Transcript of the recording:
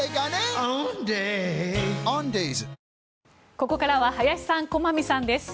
ここからは林さん、駒見さんです。